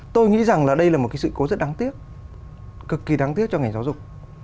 tôi nghĩ rằng là đây là một cái sự cố rất đáng tiếc cực kỳ đáng tiếc cho ngành giáo dục